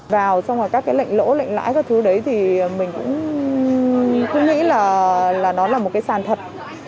vào xong rồi các cái lệnh lỗ lệnh lãi các thứ đấy thì mình cũng cứ nghĩ là nó là một cái sàn thật